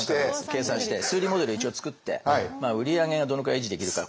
計算して数理モデルを一応作って売り上げがどのくらい維持できるか。